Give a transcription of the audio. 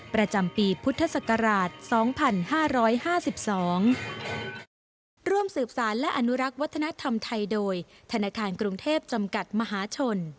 ประจำปีพุทธศักราชสองพันห้าร้อยห้าสิบสอง